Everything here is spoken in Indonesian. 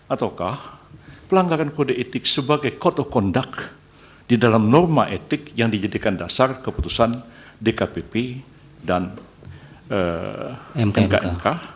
ataukah pelanggaran kode etik sebagai code of conduct di dalam norma etik yang dijadikan dasar keputusan dkpp dan mkmk